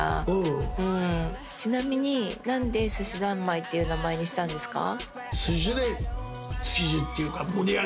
ちなみに何で「すしざんまい」っていう名前にしたんですか？